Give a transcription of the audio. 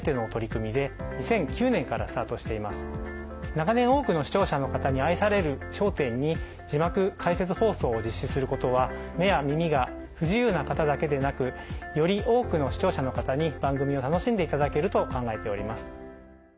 長年多くの視聴者の方に愛される『笑点』に字幕・解説放送を実施することは目や耳が不自由な方だけでなくより多くの視聴者の方に番組を楽しんでいただけると考えております。